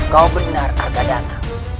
kau benar harga dana